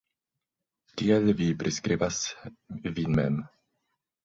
Kiel vi priskribas vin mem?